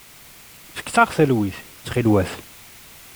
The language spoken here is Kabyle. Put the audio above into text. Fket-aɣ talwit, ttxilwet!